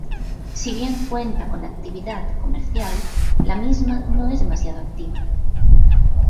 Si bien cuenta con actividad comercial, la misma no es demasiado activa.